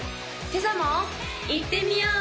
今朝もいってみよう！